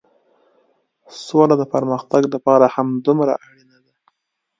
سوله د پرمختګ لپاره همدومره اړينه ده.